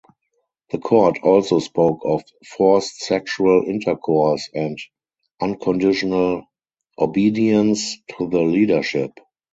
The court also spoke of "forced sexual intercourse" and "unconditional obedience" to the leadership.